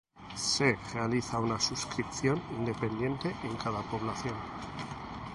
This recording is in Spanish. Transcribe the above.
Se realiza una suscripción independiente en cada población.